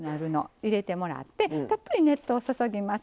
入れてもらってたっぷり熱湯を注ぎます。